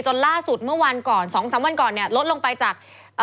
จนล่าสุดเมื่อวันก่อน๒๓วันก่อนลดลงไปจาก